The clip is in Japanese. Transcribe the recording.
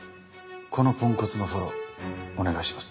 このポンコツのフォローお願いします。